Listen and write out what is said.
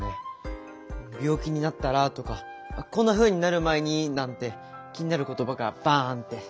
「病気になったら？」とか「こんなふうになる前に！」なんて気になることばがバン！って。